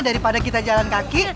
daripada kita jalan kaki